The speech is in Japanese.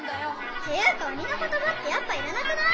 っていうかおにのことばってやっぱいらなくない？